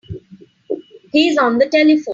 He's on the telephone.